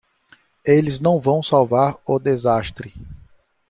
Eles não vão salvar o desastre